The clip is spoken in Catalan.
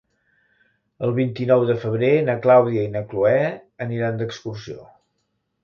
El vint-i-nou de febrer na Clàudia i na Cloè aniran d'excursió.